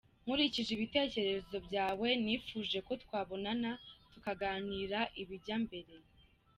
nkurikije ibitekerezo byawe, nifuje ko twabonana tukaganira ibijya mbere.